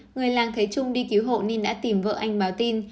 người làng thấy trung đi cứu hộ nên đã tìm vợ anh báo tin